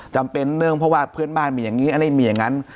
จำเป็นเรื่องเพราะว่าเพื่อนบ้านมีอย่างนี้อะไรมีอย่างนั้น